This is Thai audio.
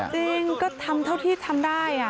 จริงก็ทำเท่าที่ทำได้